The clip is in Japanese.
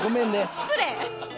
失礼！